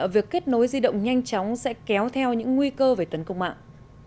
việc kết nối di động nhanh chóng sẽ kéo theo những nguy cơ về tấn công mạng